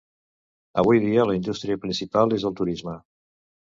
Avui dia, la indústria principal és el turisme.